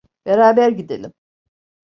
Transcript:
Beraber gidelim.